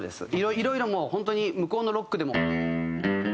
いろいろもう本当に向こうのロックでも。